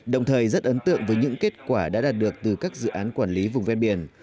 đồng thời rất ấn tượng với những kết quả đã đạt được từ các dự án quản lý vùng ven biển